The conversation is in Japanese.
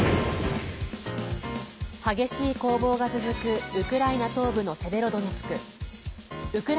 激しい攻防が続くウクライナ東部のセベロドネツク。